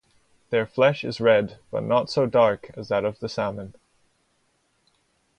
Their flesh is red, but not so dark as that of the salmon.